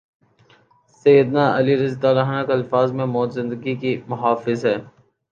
سید نا علیؓ کے الفاظ میں موت زندگی کی محافظ ہے۔